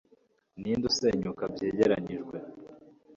Ninde usenyuka byegeranijwe